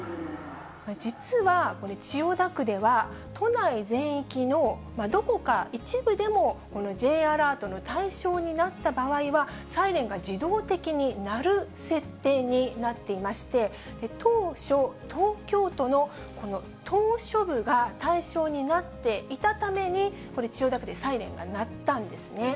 実はこれ、千代田区では、都内全域のどこか一部でも、このＪアラートの対象になった場合は、サイレンが自動的に鳴る設定になっていまして、当初、東京都のこの島しょ部が対象になっていたために、これ、千代田区でサイレンが鳴ったんですね。